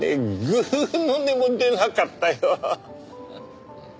ぐうの音も出なかったよ。